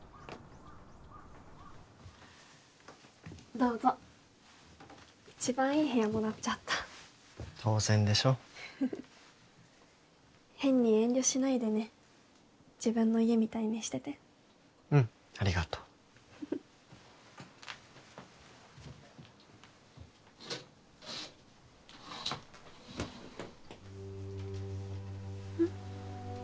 どうぞ一番いい部屋もらっちゃった当然でしょ変に遠慮しないでね自分の家みたいにしててうんありがとううん？